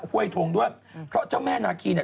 ห้วยทงด้วยเพราะเจ้าแม่นาคีเนี่ย